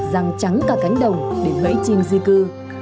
răng trắng cả cánh đồng để gãy chim di cư